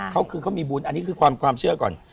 เขาคือเขามีบุญอันนี้คือความเชื่อก่อน